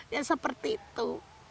ya seperti itu